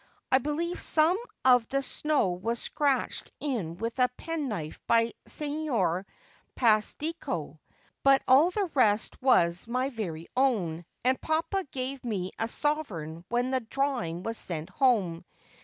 I believe some of the snow was scratched in with a penknife by Signer Pasticcio, but all the rest was my very own, and papa gave me a sovereign when the drawing was sent home.